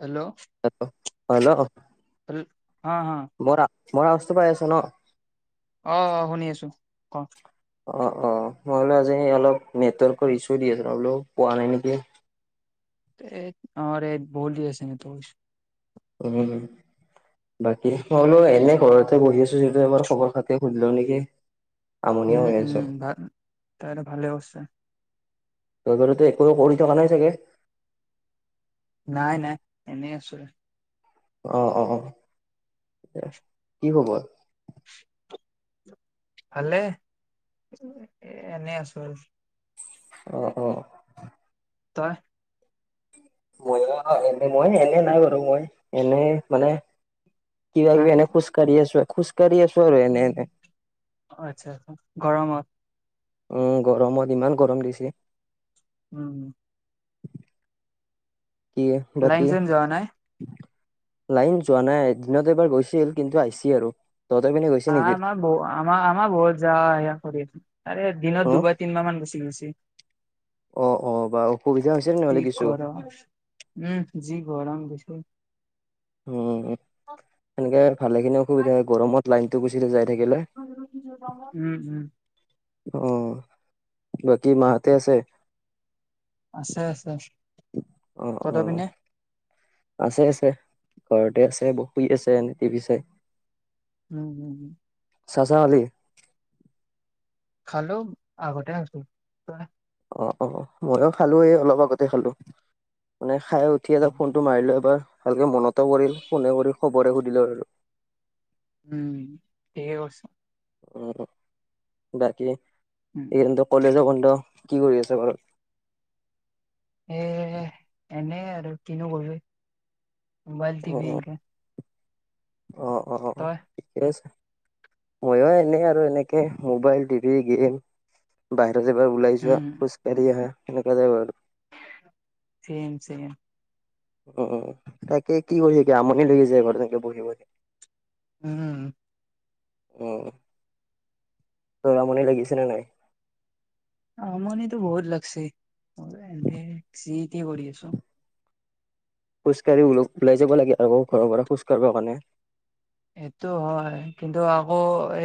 Hello hello. হ হ। মই ৰাসটো পাই আছো ন। অ', অ, শুনি আছো ক? অ', অ, মই বোলো আজি অলপ নেটৱৰ্কৰ ইছো দি আছো বোলো পোৱা নাই নেকি? এই অ ৰেই বহুত দি আছে নেটৱৰ্ক ইছোঁ। [inaudible] বাকী মই বোলো এনে ঘৰতে বহি আছো, যিহেটো এবাৰ খবৰ খাতি সুধি লওঁ নেকি? আমনিয়ে উম, হৈ আছো উম, তাই ভালে কৈছে। তই বাৰু টো একো অসুবিধা হোৱা নাই চাগে। নাই নাই এনেই আছো। অ', অ, অ, কি খবৰ? ভালেই এ এনে আছো আৰু। অহ, অ। তই? মই [unintelligible] এনে নাই বাৰু মই এনে মানে। কিবা হা কিবি এনে খুচ কৰি আছো খুচ কাঢ়ি আছোঁ আৰু এনে এনেকে। অ আচ্ছা আচ্ছা গৰমত গৰমত, ইমান গৰম দিছে। উম। কি লাইন বাকী চাইন যোৱা নাই লাইন যোৱা নাই দিনত এবাৰ গৈছিল কিন্তু আহিছি আৰু তহঁতৰ পিনে গৈছে নেকি [unintelligible] আমা আমা বহুত যোৱা আ কৰিৰ আছে আৰে দিনত অ দুবাৰ তিনিবাৰ মান গুচি গৈছি অ অ বা অসুবিধা হৈছে কি নহ'লে কিছু কৰ উম যি গৰাম দিছি উম সেনেকে ভালে খিনি অসুবিধা হয় গৰমত লাইনটো গুচি যায় উম উম অ বাকী মাহঁতে আছে আছে আছে অ অ তহঁতৰ পিনে আছে আছে ঘৰতে আছে শুই আছে এনে টিভি চাই উম হম হম চাহ তাহ খালি খালো আগতে আছো তয় অঁ অঁ ময়ো খালোঁ এই অলপ আগতে খালোঁ মানে খাই উঠি অ, এনে ফোনটো মাৰিলো এবাৰ ভালকে মনতে পৰিল ফোনে কৰি খবৰে সুধিলো আৰু উম ঠিকে কৈছ উম বাকী উম এইকেইদিনটো কলেজো বন্ধ কি কৰি আছ ঘৰত এ এনে আৰু কিনো কৰিবি ম'বাইল টি ভি এনকে অ অ অ অ তই ঠিকে আছে ময়ো এনেই আৰু এনেকে মোবাইল টিভি গেম বাই [unintelligible] ওলাই যোৱা উম খোজ কাঢ়ি আহা সেনেকুৱা যায় আৰু চেম চেম উম তাকে কি কৰি থাকিবি আমনি লাগি যায় ঘৰত তেনেকে বহি বহি উম উম তোৰ আমনি লাগিছে নে নাই আমনিতো বহুত লাগচি এনে যি তি কৰি আছো খোজ কাঢ়ি ওল ওলাই যাব লাগে আকৌ ঘৰৰ পৰা খোজ কাঢ়িব কাৰণে সেইটো হয় কিন্তু আকৌ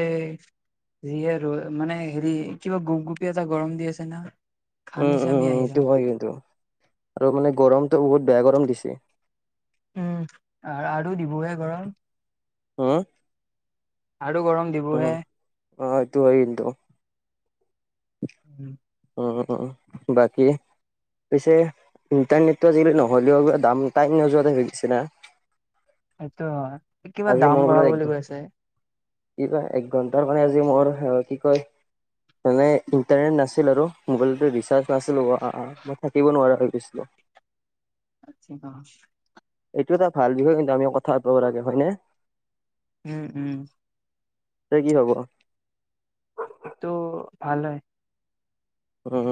এই যিয়ে ৰ মানে হেৰি কিবা গোপ গোপিয়া এটা গৰম দি আছে না উম, ঘামি উম, জামি উম, আহি এইটো যাওঁ হয় কিন্তু আৰু মানে গৰমটো বহুত বেয়া গৰম দিছে উম আৰু দিবহে গৰম হম আৰু গৰম দিবহে এইটো হয় কিন্তু উম অ অ বাকী পিছে ইণ্টাৰনেটটো আজিকালি নহ'লেও দাম টাইম নোযোৱা গৈছিনা সেইটো হয় কিবা দাম বঢ়াব বুলি কৈছে কি কয় এক ঘন্টাৰ কাৰণে আজি মোৰ কি কয় মানে ইণ্টাৰনেট নাছিল আৰু মোবাইলত ৰিচাৰ্জ নাছিলোঁ মই থাকিব নোৱাৰা হৈ গৈছিলোঁ। [inaudible] [unintelligible] [unintelligible] এইটো এটা ভাল বিষয় কিন্তু আমি কথা পাতিব পাৰাকে হয়নে। উম উম তই কি ভাব এইটো ভাল হয়। হম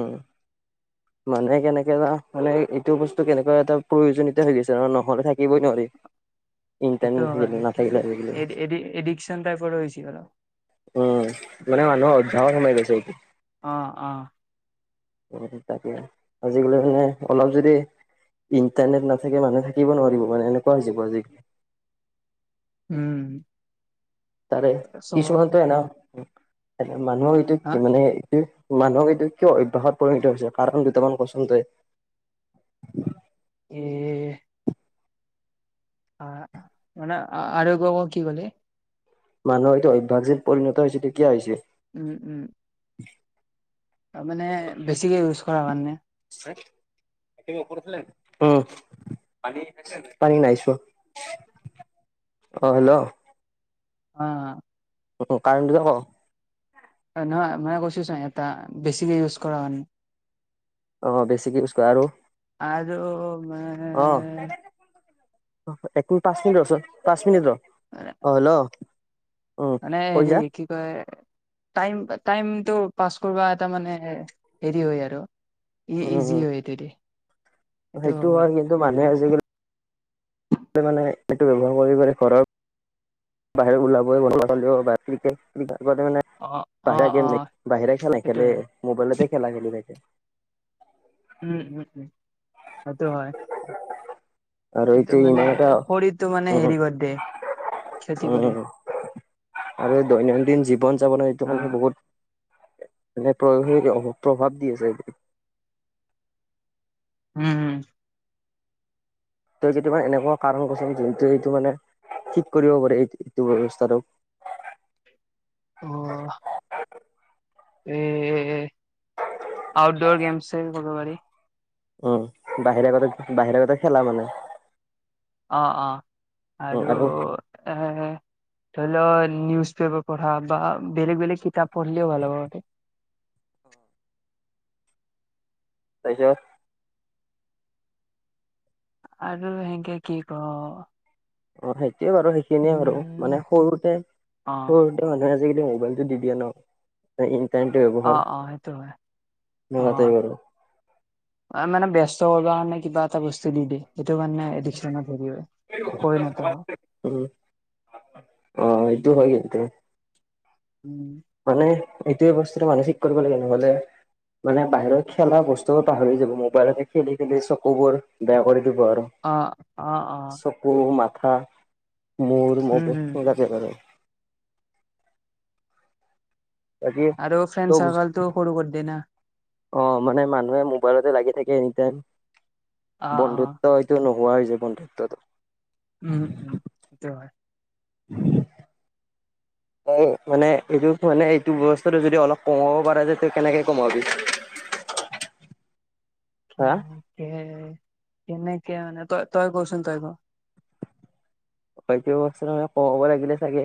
মানে কেনেকে বা মানে এইটো বস্তু কেনেকুৱা এটা প্ৰয়োজনীয়তা হৈ গৈছে ন নহলে থাকিবই নোৱাৰি। [unintelligible] ইণ্টাৰনেট সেইটো থাকিলে হয় কি নাথাকিলে আজিকালি এ এডি এডিকচন টাইপৰ হৈছি আৰ উম মানে মানুহৰ আভ্যাসত সোমাই গৈছে এইটো অ অ তাকে আজিকালি মানে অলপ যদি ইণ্টাৰনেট নাথাকে মানুহে থাকিব নোৱাৰিব মানে এনেকুৱা হৈ যাব আজিকালি উম তাৰে চবৰে কিছুমানটো এ ন মানুহক এইটো হা মানে এইটো মানুহক এইটো কিয় অভ্যাসত পৰিণিত হৈছে কাৰণ দুটামান কচোন তই এই আহ মানে আৰু একবাৰ ক কি কলি মানুহৰ এইটো অভ্যাস যেন পৰিণত হৈছে এইটো কিয়া হৈছে উম উম ত মানে বেছিকে ইউজ কৰা কাৰানে তে ওপৰত আছেনাই পানী চাইছে নাই, পানী নাই চোৱা অ হেল্ল' অ উ কাৰেণ্টো যাব নহয় মই কৈছো চা এটা বেছিকে ইউজ কৰা কাৰণে আহ বেছিকে ইউজ কৰা আৰু আৰু মানে অহ একিনি পাঁচ মিনিট ৰ চোন পাঁচ মিনিট ৰ, অ হেল্ল' উম মানে কৈ হেৰি যা কি কয় টাইম টাইম টো পাছ কৰবা এটা মানে হেৰি হয় আৰু ই ইজি উম হয় এইটোদি হ'ব সেইটো আৰু হয় কিন্তু মানুহে আজিকালি মানে ইটো ব্যৱহাৰ কৰি কৰি ঘৰত বাহিৰ ওলাবই [inaudible] মানে অ অ বাহ অ গেম বাহিৰে খেলা সেইটো খেলে হয় মোবাইলতে খেলা খেলি থাকে উম উম উম সটো হয় আৰু সেইটো এইটো মানে ইমান এটা শৰীৰটো মানে উম হেৰি কৰি দিয়ে ক্ষতি কৰে উম আৰু দৈনন্দিন জীৱন যাপন এইটো অ মানে বহুত মে প্ৰদ প্ৰভাৱ দিয় আছে এটো উম তই যদি ইটা এনেকুৱা কাৰণ কৈছ যোনটো এইটো মানে ঠিক কৰিব পাৰে এই এইটো ব্যৱস্থাটো অ [unintelligible] উম্ আউটডৰ গেমছেম কৰিব পাৰি উম বাহিৰা গতে বাহিৰা গতে খেলা মানে অঁ অঁ আৰু এ ধৰি লও নিউজ পেপাৰ পঢ়া বা বেলেগ বেলেগ কিতাপ পঢ়িলও ভাল হবতে অ তাপিছত আৰু সেকে কি ক অ সেইটোয়ে বাৰু সেইখিনিয়ে বাৰু মানে উম সৰুতে অ সৰুতে মানুহে আজিকালি মোবাইলতটো দি দিয়ে ন তে অ অ সেইটো হয় অ সেনেকুৱাতে বাৰু মানে ব্যস্ত হ কাৰণে মই কিবা এটা বস্তু দিও দে এইটো কাৰণে আদিকচনত হেৰি পৰিণত হয় উম, অ এইটো হয় কিন্তু উম মানে এইটোৱ অৱস্থাটো মানসিক কৰিব লাগে নহ'লে মানে বাহিৰত খেলা বস্তুবোৰ পাহৰি যাব মোবাইলতে খেলি খেলি চকুবোৰ বেয়া কৰি অ অ অ চকু মা ক মোৰ ম উম হম ম যাকে বাৰ [unintelligible] বাকি আৰু ফ্ৰেণ্ড তোক চাৰ্কলটো সৰু কৰি দিয়ে না অ মানে মানুহে মোবাইলতে লাগি থাকে এই অ অ বন্ধুত্ব হয়তো নোহোৱা হৈ যাব হৈছে বন্ধুত্বটো উম উম সেইটো হয় উ মানে এইটো মানে এইটো ব্যৱস্থাটো যদি অলপ কমাব পাৰে যে তই কেনেকে কমাবি? [unintelligible] হা? কে কেন্নাই [unintelligible] কিয় মানে তই তই কচোন তই ক। হয় অৱা মানে কমাব লাগিলে চাগে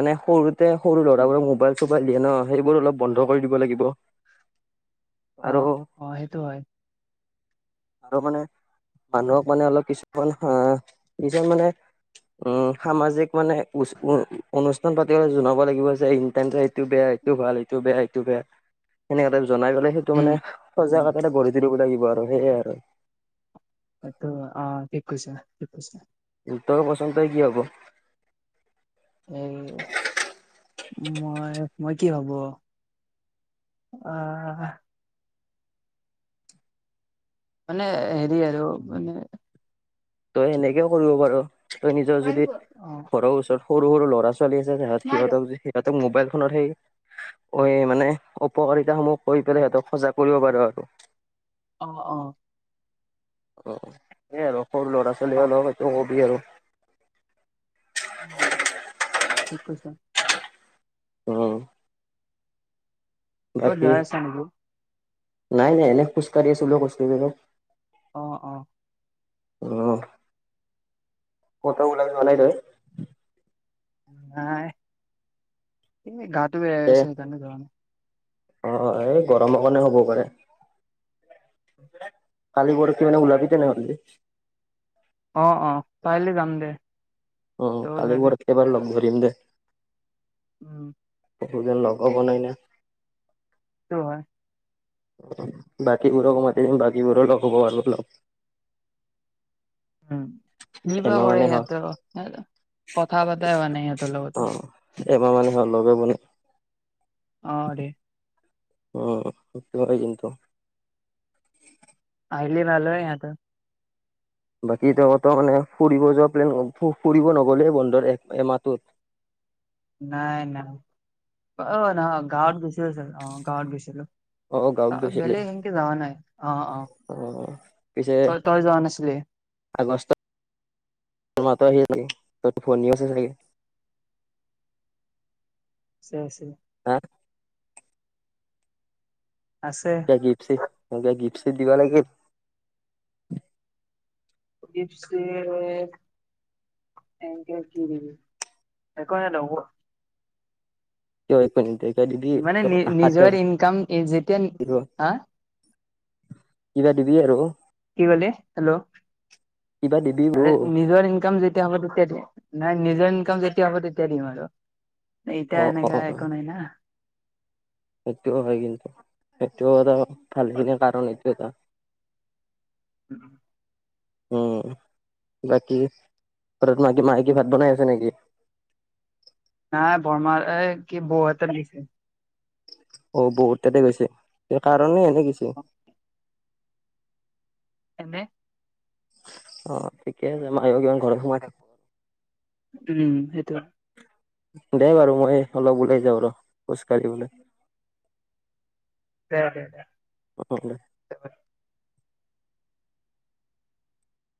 মানে সৰু [unintelligible] তেওঁ সৰু ল'ৰাবোক মোবাইল চোবাইল দিয়ে ন সেইবোৰ অলপ বন্ধ কৰি দিব লাগিব। আৰু অ' অ' সেইটো হয়। আৰু মানে মানুহক মানে অলপ কিছুমান আহ কিছুমান মানে উম সামাজিক মানে অনুষ্ঠান পাতিবলে জনাব লাগিব যে ইটাৰনেট এইটো বেয়া এইটো ভাল এইটো বেয়া এইটো বেয়া সেনেকে জনাই জনাই গলে সেইটো উম মানে উম সজাগটা গঢ়ি তুলিব লাগিব আৰু সেইয়াই আৰু কি কৈছে ভিতৰৰ পশ্ৰন ত কি হব এ মই মই কি ভাবো আহ মানে হেৰি আৰু মানে তই সেনেকেও কৰিব পাৰ তই নিজৰ যদি অ ঘৰৰ ওচৰত সৰু সৰু ল'ৰা চলি আছে তত সিহঁতক সিহঁতক মোবাইল ফোনৰ সেই এই মানে উপকাৰিতাসমূহ কৈ পেলাই সিহঁতক সজাগ কৰিব পাৰো আৰু। অ' অ' অ' সেয়ে আৰু সৰু ল'ৰা অ ছোৱালী অলপ একো কবি আৰু। ঠিক কৈছা। উম কত বাকী যাই আছা নি? নাই নাই এনে খোজ কঢ়ি আছিলো বুলি কৈছো। অ' অ' উম কটাব লাগিব এনকেই। নাই গাটো বে হৈ আছে কাৰনে যোৱা নাই। অ'এই গৰমৰ কাৰণে হ'বও পাৰে। কালি প'ৰহি মানে ওলাবি তেনে হ'লে। অ' অ' কাইলে যাম দে। অ' তই কালি ওলাবি মই একে বাৰে লগ ধৰিম দে। উম বহুত যে লগ ব নাই না। সেইটো হয়। বাকীবোৰক মাতি দিম বাকীবোৰো লগ হ'ব অলপ। উম কিবা কৰে হ'ল সিহঁতে, কথা পাতাই হোৱা নাই সিহঁতৰ লগতো। অ', এমাহ মানে হ' ল লগে পোৱা নাই। অ'দে। অ স কিন্তু [unintelligible] আহিলে ভাল হয় সিহঁতো। বাকী তহঁত মানে ফুৰিব যোৱা প্লেন ফুৰিব নগ'লে বন্ধৰ এক এমাহটোত। নাই নাই অ নহয় গাঁৱত গৈছিলোঁ অ গাঁৱত গৈছিলোঁ। অ', গাঁৱত গৈছিলি বেলেগ সেনকে যাৱা নাই। অ' অ' তই যোৱা নাছিলি? আগষ্টত তোৰ মাতো আহি আ চাগি তইত ফনি আছে চাগে। আছে আছে। হা আছে। ক গিফ চিফ গিফ চিফ দিবা লাগিল। গিফ চিফ এনেকে কি দিবি একো নেদিও। কিয় একো নিদি মানে তেওঁ নি আশাত নিজৰ ইনকাম যেতিয়া থাকিব হা কিবা দিবি আৰু? কি কলি হেল্ল' কিবা দিবি ব্ৰো আৰে নিজৰ ইনকাম যেতিয়া হ'ব তেতিয়া দিম। নাই নিজৰ ইনকাম যেতিয়া হ'ব তেতিয়া দিম আৰু অ এতিয়া অ এনেকা একো নাই না। সেইটোও হয় কিন্তু সেইটো এটা ভালখিনিৰ কাৰণ এইটো। কেইটা উ [unintelligible] উম বাকী ঘৰত মা মায়ে কি ভাত বনাই আছে নেকি? নাই বৰমাৰ কি বৌ হাতত দিছে। অ বৌহত তাতে গৈছে কিবা কাৰনেই এনে গিছে এনে অ ঠিকে আছে মায়ও কিমান ঘৰত সোমাই থাকো উম সেইটো। দেই বাৰু মই অলপ ওলাই যাওঁ ৰ খোজ কাঢ়িবলৈ। দে দে দে। অ দে